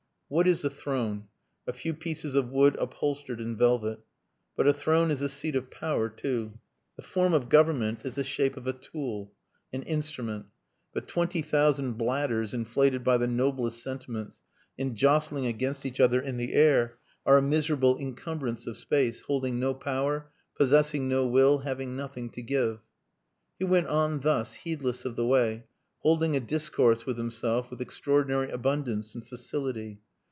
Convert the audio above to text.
What is a throne? A few pieces of wood upholstered in velvet. But a throne is a seat of power too. The form of government is the shape of a tool an instrument. But twenty thousand bladders inflated by the noblest sentiments and jostling against each other in the air are a miserable incumbrance of space, holding no power, possessing no will, having nothing to give. He went on thus, heedless of the way, holding a discourse with himself with extraordinary abundance and facility.